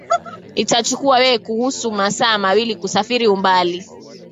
itachukua wewe kuhusu masaa mawili kusafiri umbali